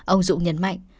ông dũng nhấn mạnh